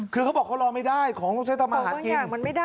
คือเขาบอกเขารอไม่ได้ของต้องใช้ทำมาหากินของบางอย่างมันไม่ได้